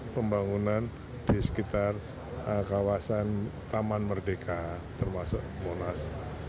pembangunan di sekitar kawasan taman merdeka termasuk monas